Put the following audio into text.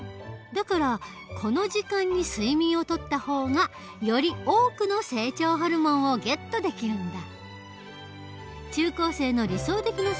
だからこの時間に睡眠をとった方がより多くの成長ホルモンをゲットできるんだ。